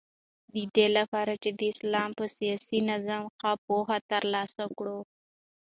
ددې لپاره چی د اسلام په سیاسی نظام ښه پوهه تر لاسه کړو